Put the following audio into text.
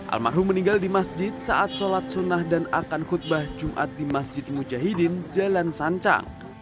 almarhum meninggal di masjid saat sholat sunnah dan akan khutbah jumat di masjid mujahidin jalan sancang